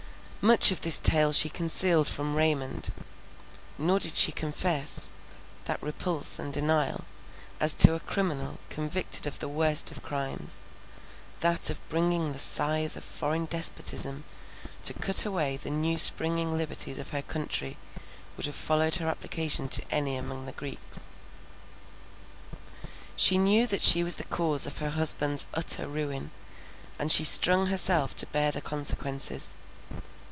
Much of this tale she concealed from Raymond; nor did she confess, that repulse and denial, as to a criminal convicted of the worst of crimes, that of bringing the scythe of foreign despotism to cut away the new springing liberties of her country, would have followed her application to any among the Greeks. She knew that she was the cause of her husband's utter ruin; and she strung herself to bear the consequences.